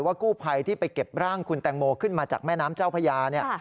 ว่ากู้ไภที่ไปเก็บร่างคุณแตงโมจ์ขึ้นมาจากแม่น้ำเจ้าพยาย